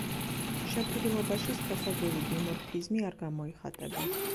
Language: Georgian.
შეფერილობაში სქესობრივი დიმორფიზმი არ გამოიხატება.